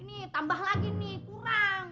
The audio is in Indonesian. ini tambah lagi nih kurang